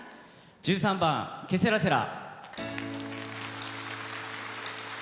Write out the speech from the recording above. １３番「ケセラセラ」。